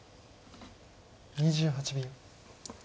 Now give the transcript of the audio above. ２８秒。